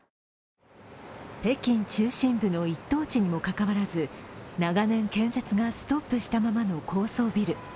北京中心部の１等地にもかかわらず長年、建設がストップしたままの高層ビル。